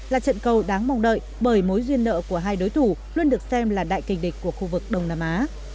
là trận cầu đáng mong đợi bởi mối duyên nợ của hai đối thủ luôn được xem là đại kinh địch của khu vực đông nam á